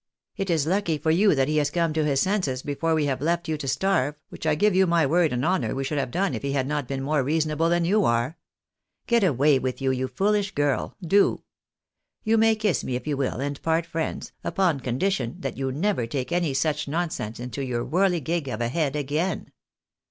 It is lucky for you that he has come to his senses before we have left you to starve, which I give you my word and honour we should have done, if he had not hem more reasonable than you are. Get away with you, foolish girl, do ! You may kiss me if you wiU, and part friends, upon condition that you never take any such nonsense into your whirligig of a head again.